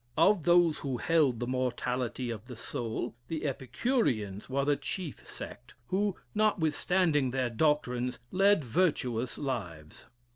Of those who held the mortality of the soul, the Epicureans were the chief sect, who, notwithstanding their doctrines, led virtuous lives."